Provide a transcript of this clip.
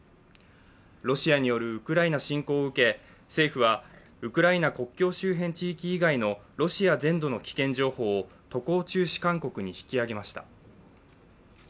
ロシアによるウクライナ侵攻を受け政府はウクライナ国境周辺地域以外のロシア全土の危険情報を渡航中止勧告に引き上げました。